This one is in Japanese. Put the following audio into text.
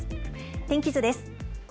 天気図です。